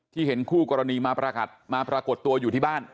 ที่เห็นคู่กรณีมาประกัดมาปรากฏตัวอยู่ที่บ้าน